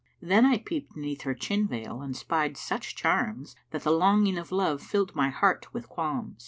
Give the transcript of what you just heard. Then I peeped 'neath her chin veil and 'spied such charms That the longing of love filled my heart with qualms.